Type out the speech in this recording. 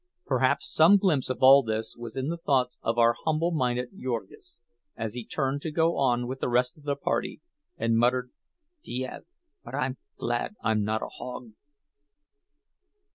Perhaps some glimpse of all this was in the thoughts of our humble minded Jurgis, as he turned to go on with the rest of the party, and muttered: "Dieve—but I'm glad I'm not a hog!"